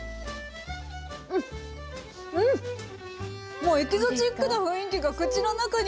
もうエキゾチックな雰囲気が口の中に広がります。